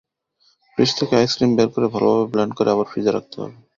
Fridge থেকে ice cream বের করে ভালোভাবে ব্লেন্ড করে আবার ফ্রিজে রাখতে হবে।